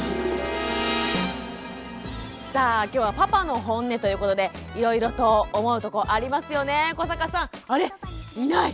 さあ今日は「パパの本音」ということでいろいろと思うとこありますよね